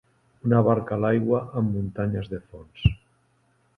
Una barca a l'aigua amb muntanyes de fons.